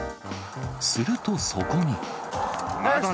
すると、そこに。